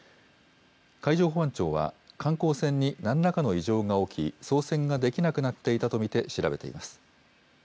海上保安庁は、観光船になんらかの異常が起き、操船ができなくなっていたと見て調べています。